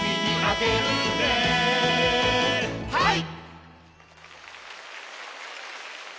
はい！